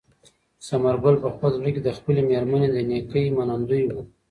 ثمر ګل په خپل زړه کې د خپلې مېرمنې د نېکۍ منندوی و.